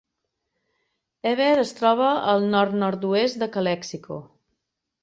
Heber es troba al nord-nord-oest de Calexico.